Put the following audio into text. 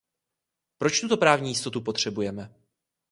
Proč tuto právní jistotu potřebujeme?